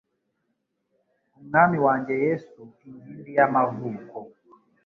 Mwami wanjye Yesu ingimbi y'amavuko